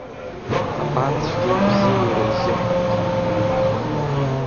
Абан цәгьеи-бзиеи реизыҳәҳәарҭа.